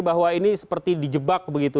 bahwa ini seperti dijebak begitu